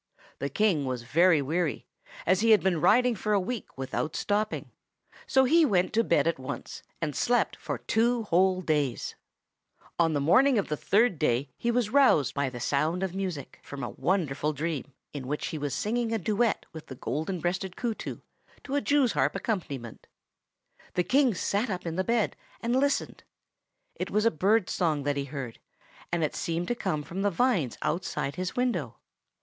The King was very weary, as he had been riding for a week without stopping. So he went to bed at once, and slept for two whole days. "Seizing his gun, he hastily descended the stairs." On the morning of the third day he was roused from a wonderful dream (in which he was singing a duet with the Golden breasted Kootoo, to a jews harp accompaniment) by the sound of music. The King sat up in bed, and listened. It was a bird's song that he heard, and it seemed to come from the vines outside his window.